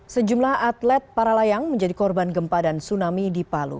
sejumlah atlet para layang menjadi korban gempa dan tsunami di palu